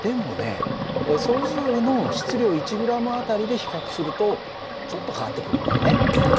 でもねそれぞれの質量１ｇあたりで比較するとちょっと変わってくるんだよね。